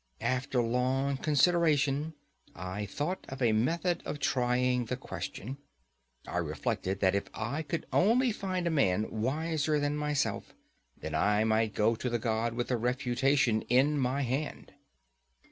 After long consideration, I thought of a method of trying the question. I reflected that if I could only find a man wiser than myself, then I might go to the god with a refutation in my hand.